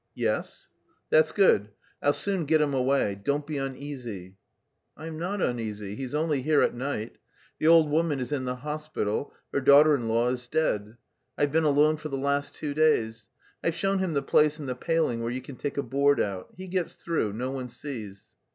"Yes." "That's good. I'll soon get him away. Don't be uneasy." "I am not uneasy. He is only here at night. The old woman is in the hospital, her daughter in law is dead. I've been alone for the last two days. I've shown him the place in the paling where you can take a board out; he gets through, no one sees."